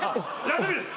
休みです。